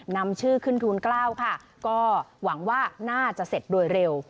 นำชื่อขึ้นทูลเกล้าค่ะก็หวังว่าน่าจะเสร็จโดยเร็ว